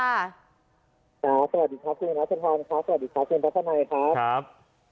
สวัสดีครับคุณนาธพงศ์ค่ะสวัสดีครับคุณพัฒนาครับ